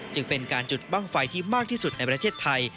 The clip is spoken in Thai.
จึงเป็นการจุดบ้างไฟที่มากที่สุดในประเทศไทย